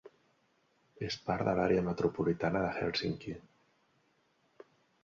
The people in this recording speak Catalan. És part de l'àrea metropolitana de Hèlsinki.